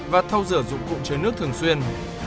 và thâu rửa dụng cụ chế nước thường xuyên